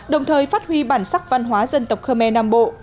đồng thời phát huy bản sắc văn hóa dân tộc khơ me nam bộ